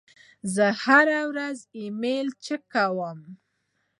زه هره ورځ ایمیل چک کوم.